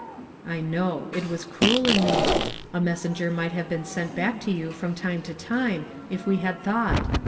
" I know ; it was cruel in me. A messenger might have been sent back to you from time to time if we had thought.